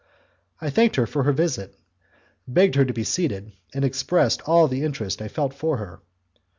I thanked her for her visit, begged her to be seated, and I expressed all the interest I felt for her.